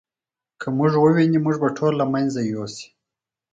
که موږ وویني موږ به ټول له منځه یوسي.